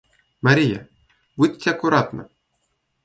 Мария, будьте аккуратна.